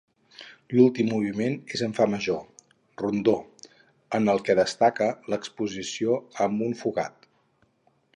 L'últim moviment és en fa major, Rondó, en el que destaca l'exposició amb un fugat.